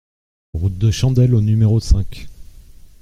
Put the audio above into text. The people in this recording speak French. Route de Chandelle au numéro cinq